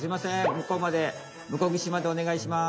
向こうまで向こうぎしまでお願いします」。